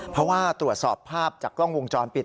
เพราะว่าตรวจสอบภาพจากกล้องวงจรปิด